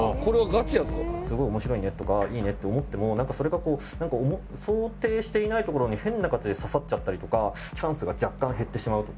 すごい面白いねとかいいねって思ってもそれが想定していないところに変な形で刺さっちゃったりとかチャンスが若干減ってしまうとか。